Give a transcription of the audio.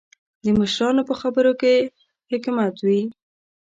د مشرانو په خبرو کې حکمت وي.